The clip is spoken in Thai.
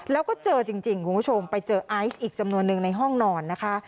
แล้วก็เจอจริงคุณผู้ชมไปเจอไอซ์อีกจำนวนหนึ่งในห้องนอนนะคะ